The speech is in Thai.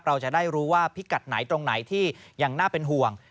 เราจะได้รู้ว่าพิกัดไหนตรงไหนที่ยังน่าเป็นห่วง